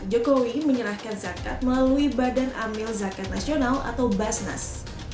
jokowi menyerahkan zakat melalui badan amil zakat nasional atau basnas